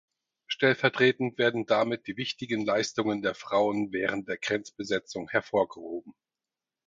Stellvertretend werden damit die wichtigen Leistungen der Frauen während der Grenzbesetzung hervor gehoben.